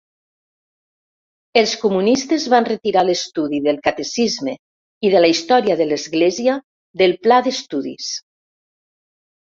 Els comunistes van retirar l'estudi del catecisme i de la història de l'església del pla d'estudis.